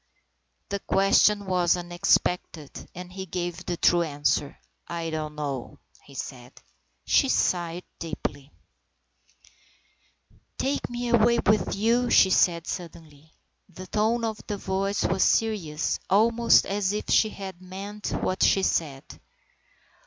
SAINT MARTIN'S SUMMER 159 The question was unexpected, and he gave the true answer. " I don't know," he said. She sighed deeply. Ill "TAKE me away with you," she said suddenly. The tone of the voice was serious, almost as if she had meant what she said.